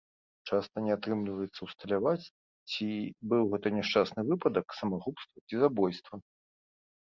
Часта не атрымліваецца ўсталяваць, ці быў гэта няшчасны выпадак, самагубства ці забойства.